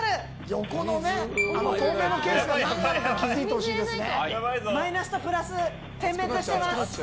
横の透明のケースが何なのか気づいてほしいですね。